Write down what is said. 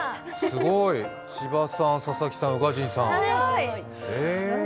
すごい、千葉さん、佐々木さん、宇賀神さん。